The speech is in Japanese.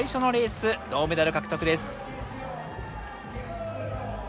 銅メダル獲得です。